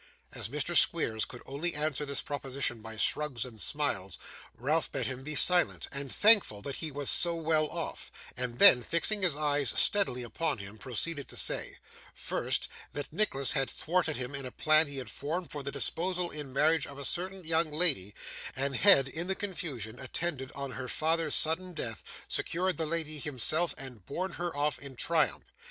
As Mr. Squeers could only answer this proposition by shrugs and smiles, Ralph bade him be silent, and thankful that he was so well off; and then, fixing his eyes steadily upon him, proceeded to say: First, that Nicholas had thwarted him in a plan he had formed for the disposal in marriage of a certain young lady, and had, in the confusion attendant on her father's sudden death, secured that lady himself, and borne her off in triumph.